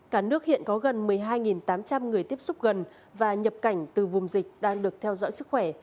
cả nước hiện có gần một mươi hai tám trăm linh người tiếp xúc gần và nhập cảnh từ vùng dịch đang được theo dõi sức khỏe